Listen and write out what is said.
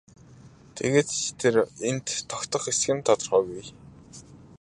Тэгээд ч тэр энд тогтох эсэх нь тодорхойгүй.